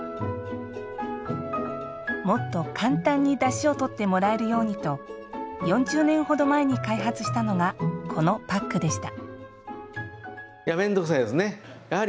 もっと簡単にだしをとってもらえるようにと４０年ほど前に開発したのがこのパックでした。